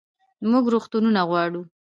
موږ روغتونونه غواړو